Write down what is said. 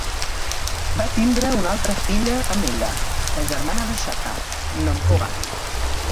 Va tindre una altra filla amb ella, la germana de Shaka, Nomcoba.